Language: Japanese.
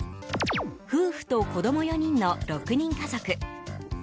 夫婦と子供４人の６人家族。